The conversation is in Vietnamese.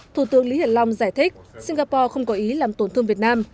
thủ tướng lý hiển long giải thích singapore không có ý làm tổn thương việt nam